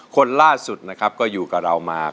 คนล่าสุดนะครับก็อยู่กับเรามา